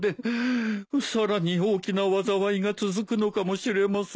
さらに大きな災いが続くのかもしれません。